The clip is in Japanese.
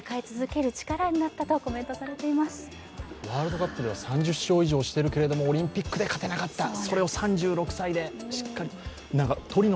ワールドカップでは３０勝以上しているけれどもオリンピックで勝てなかった、それを３６歳でしっかりと。